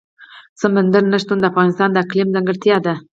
سمندر نه شتون د افغانستان د اقلیم ځانګړتیا ده.